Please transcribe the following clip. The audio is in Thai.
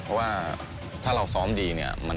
เพราะว่าถ้าเราซ้อมดีเนี่ย